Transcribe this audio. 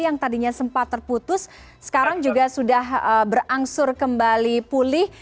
yang tadinya sempat terputus sekarang juga sudah berangsur kembali pulih